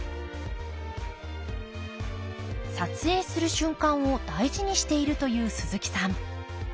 撮影する瞬間を大事にしているという鈴木さん。